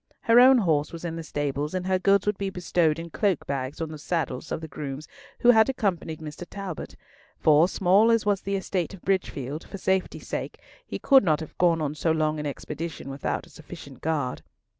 Her own horse was in the stables, and her goods would be bestowed in cloak bags on the saddles of the grooms who had accompanied Mr. Talbot; for, small as was the estate of Bridgefield, for safety's sake he could not have gone on so long an expedition without a sufficient guard.